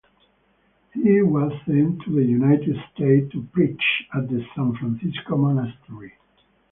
He was sent to the United States to preach at the San Francisco monastery.